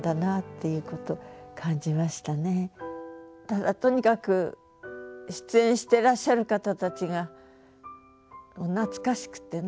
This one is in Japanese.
ただとにかく出演してらっしゃる方たちが懐かしくてね。